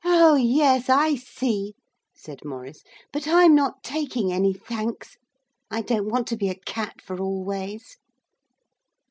'Oh, yes, I see,' said Maurice. 'But I'm not taking any, thanks. I don't want to be a cat for always.'